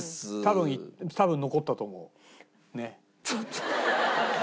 多分残ったと思う。